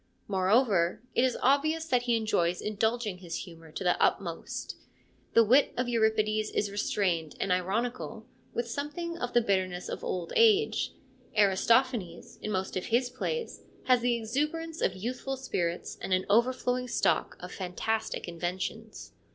Moreover, it is obvious that he enjoys indulging his humour to the utmost. The wit of Euripides is restrained and ironical, with something of the bitterness of old age ; Aristophanes in most of his plays has the exuberance of youthful spirits and an overflowing stock of fantastic inventions.